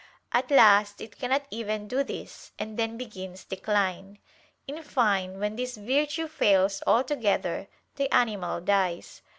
At last it cannot even do this; and then begins decline. In fine, when this virtue fails altogether, the animal dies.